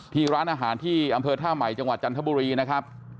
ที่ร้านอาหารที่อำเภอท่าใหม่จังหวัดจันทบุรีนะครับ